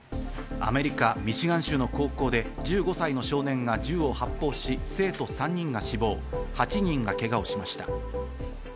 アメリカ、ミシガン州の高校で１５歳の少年が銃を発砲し生徒３人が死亡、８人がけがをしました。